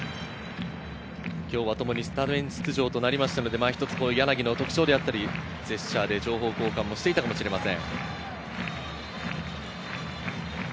ともにスタメン出場となりましたので、一つ柳の特徴だったり、ジェスチャーで情報交換もしていたかもしれません。